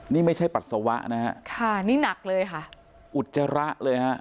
นี่ไม่ใช่ปัสสาวะนะฮะค่ะนี่หนักเลยค่ะอุจจาระเลยฮะ